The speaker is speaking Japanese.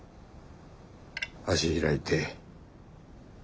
足開いて。